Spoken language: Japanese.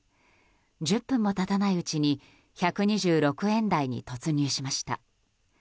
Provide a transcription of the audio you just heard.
１０分も経たないうちに１２６円台に突入しました。